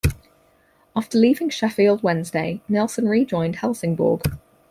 After leaving Sheffield Wednesday, Nilsson rejoined Helsingborg.